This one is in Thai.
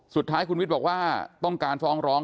สุดท้ายคุณวิทย์บอกว่าต้องการฟ้องร้อง